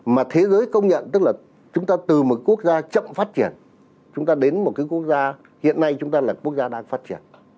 mà thế giới công nhận tức là chúng ta từ một quốc gia chậm phát triển chúng ta đến một cái quốc gia hiện nay chúng ta là quốc gia đang phát triển